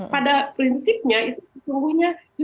pada prinsipnya itu sesungguhnya justru menelantarkan